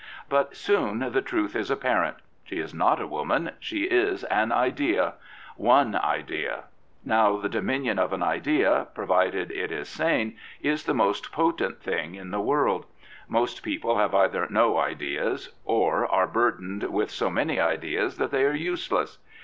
But soon the truth is apparent. She is not a woman ; she is an idea. One idea. Now the dominion of an idea, provided it is 140 Mrs. Pankhurst sane, is the most potent thing in the world. Most people have either no ideas or are burdened with so many ideas that they are useless.